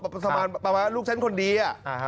ประวัติภาพลูกฉันคนดี